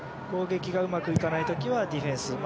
攻撃がうまくいかないときはディフェンス。